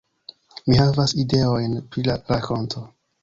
Mi havas ideojn pri la rakonto